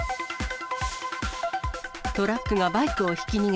トラックがバイクをひき逃げ。